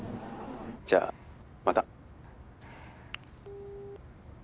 じゃあまた。